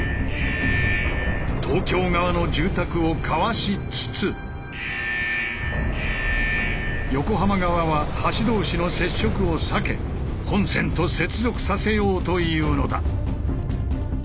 東京側の住宅をかわしつつ横浜側は橋同士の接触を避け本線と接続させようというのだ！